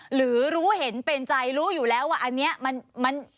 หรือรู้เห็นเป็นใจรู้อยู่แล้วว่าอันนี้มัน